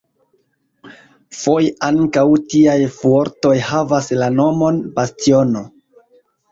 Foje ankaŭ tiaj fuortoj havas la nomon "bastiono".